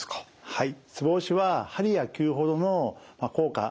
はい。